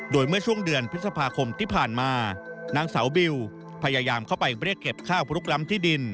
โดยเมื่อช่วงเดือนพฤษภาคมที่ผ่านมานางสาวบิวพยายามเข้าไปเรียกเก็บข้าวลุกล้ำที่ดิน